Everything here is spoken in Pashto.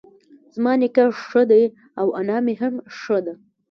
زما نيکه ښه دی اؤ انا مي هم ښۀ دۀ